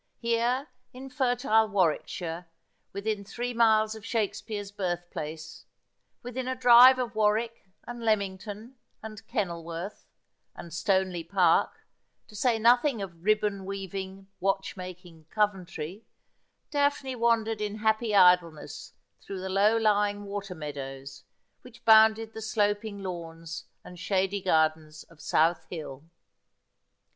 Here, in fertile Warwickshire, within three miles of Shakespeare's birthplace, within a drive of Warwick and Leamington, and Kenilvrorth, and Stoneleigh Park, to say nothing of ribbon weaving, watch making Coventry, Daphne wandered in happy idleness through the low lying water mea dows, which bounded the sloping lawns and shady gardens of South Hill.